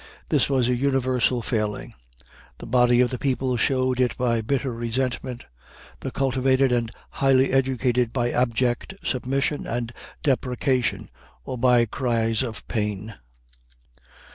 This was a universal failing. The body of the people showed it by bitter resentment; the cultivated and highly educated by abject submission and deprecation, or by cries of pain.